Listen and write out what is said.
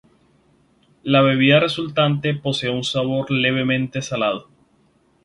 La bebida resultante posee un sabor levemente salado.